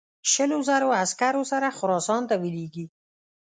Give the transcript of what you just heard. شلو زرو عسکرو سره خراسان ته ولېږي.